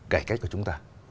cải cách của chúng ta